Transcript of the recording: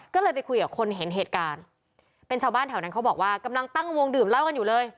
ก็เลยไปคุยกับคนเห็นเหตุการณ์เป็นชาวบ้านแถวนั้นเขาบอกว่ากำลังตั้งวงดื่มเหล้ากันอยู่เลย